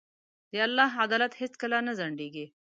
د الله عدالت هیڅکله نه ځنډېږي.